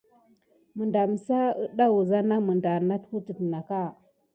Məndamsa keda wuda nameta nat widinaka.